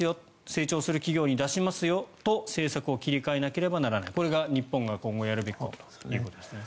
成長する企業に出しますよと政策を切り替えなければならないこれが日本が今後やらなければいけないことだということですね。